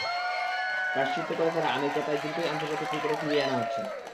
প্রায়শ্চিত্ত করে ফেরা আমিরকে তাই দ্রুতই আন্তর্জাতিক ক্রিকেটে ফিরিয়ে আনা হচ্ছে।